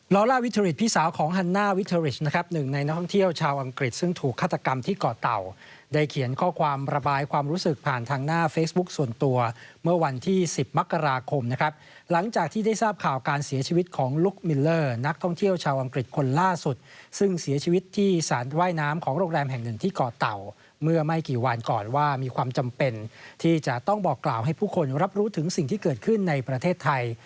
ล้อล่าวิทยาลิศพี่สาวของฮันน่าวิทยาลิศนะครับหนึ่งในนักท่องเที่ยวชาวอังกฤษซึ่งถูกฆาตกรรมที่ก่อเต่าได้เขียนข้อความระบายความรู้สึกผ่านทางหน้าเฟซบุ๊กส่วนตัวเมื่อวันที่๑๐มักราคมนะครับหลังจากที่ได้ทราบข่าวการเสียชีวิตของลุคมิลเลอร์นักท่องเที่ยวชาวอังกฤษคนล